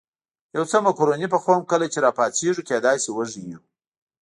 یو څه مکروني پخوم، کله چې را پاڅېږو کېدای شي وږي یو.